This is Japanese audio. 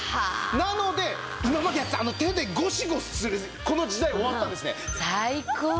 なので今までやってたあの手でゴシゴシするこの時代終わったんですね。